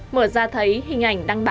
mở ra thấy hình ảnh đăng báo